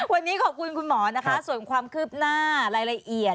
วันนี้ขอบคุณคุณหมอนะคะส่วนความคืบหน้ารายละเอียด